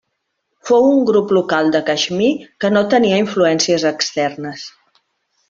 Fou un grup local de Caixmir que no tenia influències externes.